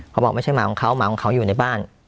เขาบอกไม่ใช่หมาของเขาหมาของเขาอยู่ในบ้าน